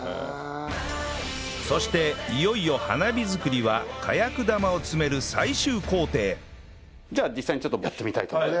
そしていよいよ花火作りは火薬玉を詰める最終工程じゃあ実際にやってみたいと思います。